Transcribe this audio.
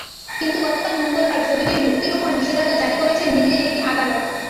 কিন্তু গতকাল মঙ্গলবার ছবিটির মুক্তির ওপর নিষেধাজ্ঞা জারি করেছেন দিল্লির একটি আদালত।